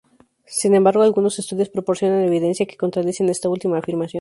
Sin embargo, algunos estudios proporcionan evidencia que contradicen esta última afirmación.